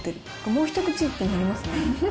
もう一口ってなりますね。